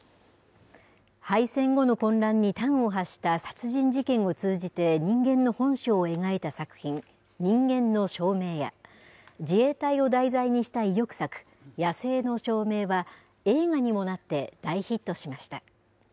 敗戦後の混乱に端を発した殺人事件を通じて、人間の本性を描いた作品、人間の証明や、自衛隊を題材にした意欲作、野生の証明は、映画にもなって大ヒットしました。